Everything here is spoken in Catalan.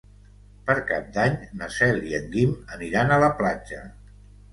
Per Cap d'Any na Cel i en Guim aniran a la platja.